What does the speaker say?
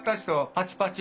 パチパチ。